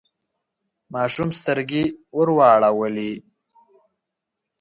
ماشوم سترګې ورواړولې.